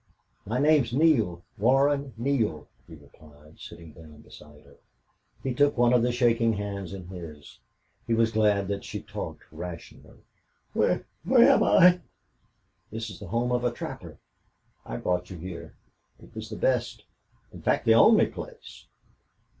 "My name's Neale Warren Neale," he replied, sitting down beside her. He took one of the shaking hands in his. He was glad that she talked rationally. "Where am I?" "This is the home of a trapper. I brought you here. It was the best in fact, the only place."